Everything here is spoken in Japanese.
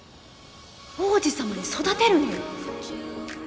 王子様に育てるのよ